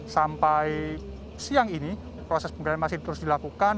sampai siang ini proses penggeledahan masih terus dilakukan